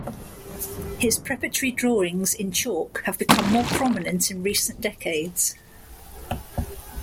His preparatory drawings in chalk have become more prominent in recent decades.